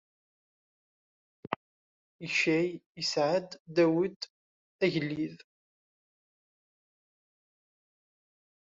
Icay isɛa-d Dawed, agellid.